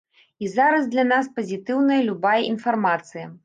І зараз для нас пазітыўная любая інфармацыя.